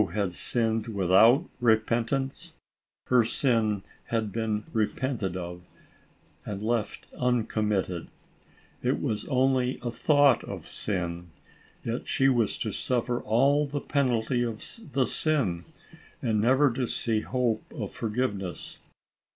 has sinned without repentance ? Her sin had been repented of, and left uncommitted. It was only a thought of sin. Yet she was to suffer all the penalty of the sin, and never to see hope of forgiveness.